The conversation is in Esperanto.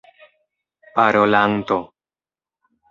parolanto